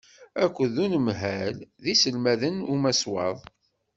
Akked unemhal d yiselmaden d umaswaḍ.